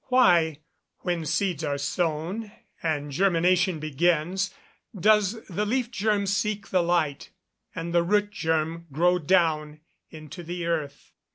_Why, when seeds are sown, and germination begins, does the leaf germ seek the light, and the root germ grow down into the earth?